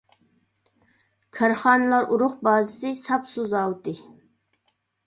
كارخانىلار ئۇرۇق بازىسى، ساپ سۇ زاۋۇتى.